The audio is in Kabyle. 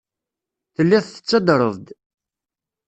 Telliḍ tettadreḍ-d.